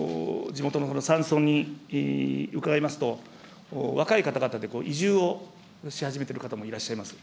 今、地元の山村に伺いますと、若い方々で、移住をし始めてる方もいらっしゃいます。